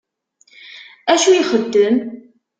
Acu ixeddem?